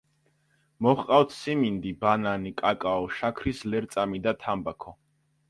მოჰყავთ სიმინდი, ბანანი, კაკაო, შაქრის ლერწამი და თამბაქო.